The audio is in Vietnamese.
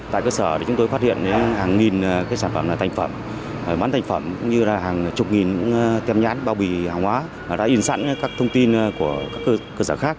tại cơ sở chúng tôi phát hiện hàng nghìn sản phẩm là thành phẩm mát thành phẩm cũng như hàng chục nghìn kem nhãn bao bì hàng hóa đã in sẵn các thông tin của các cơ sở khác